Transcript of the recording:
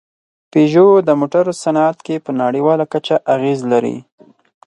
پيژو د موټرو صنعت کې په نړۍواله کچه اغېز لري.